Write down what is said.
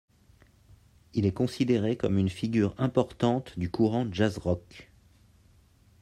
Il est considéré comme une figure importante du courant jazz-rock.